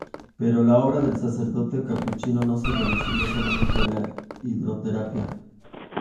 Pero, la obra del sacerdote capuchino no se reduciría solamente a la hidroterapia.